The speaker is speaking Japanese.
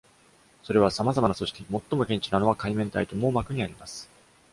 それは様々な組織、最も顕著なのは海綿体と網膜にあります。